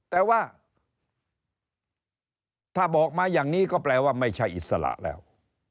แต่ว่าถ้าบอกมาอย่างนี้ก็แปลว่าไม่ใช่อิสระแล้ว